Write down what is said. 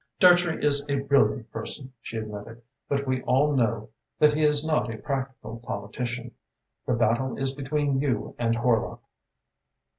"Dartrey is a brilliant person," she admitted, "but we all know that he is not a practical politician. The battle is between you and Horlock."